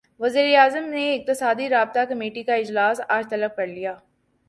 وزیراعظم نے اقتصادی رابطہ کمیٹی کا اجلاس اج طلب کرلیا